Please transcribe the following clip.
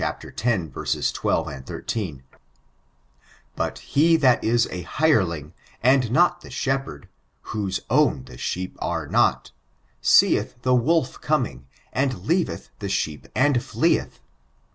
12, 13: '* But he that is a hireling, and not the shepherd, whoee own the sheep are not, seeth the wolf coming, and leaveth the sheep and fleeth.